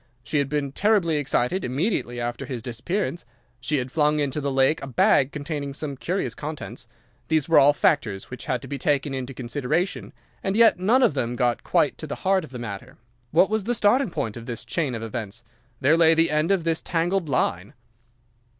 She had been terribly excited immediately after his disappearance. She had flung into the lake a bag containing some curious contents. These were all factors which had to be taken into consideration, and yet none of them got quite to the heart of the matter. What was the starting point of this chain of events? There lay the end of this tangled line.